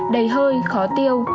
đầy hơi khó tiêu